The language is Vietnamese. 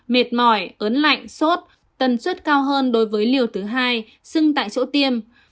mệt mỏi ớn lạnh sốt tần suất cao hơn đối với liều thứ hai sưng tại chỗ tiêm